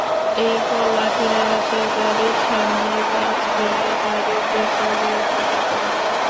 এরপর লাঠির আঘাতে গাড়ির সামনের কাচ ভেঙে গাড়ির ভেতরে গুলি করে।